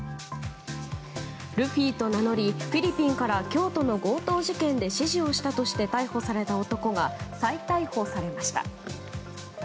ルフィと名乗り、フィリピンから京都の強盗事件で指示をしたとして逮捕された男が再逮捕されました。